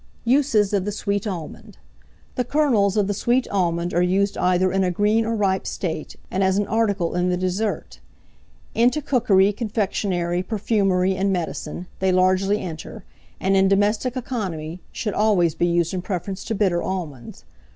USES OF THE SWEET ALMOND. The kernels of the sweet almond are used either in a green or ripe state, and as an article in the dessert. Into cookery, confectionery, perfumery, and medicine, they largely enter, and in domestic economy, should always be used in preference to bitter almonds.